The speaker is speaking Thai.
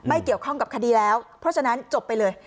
เกี่ยวข้องกับคดีแล้วเพราะฉะนั้นจบไปเลย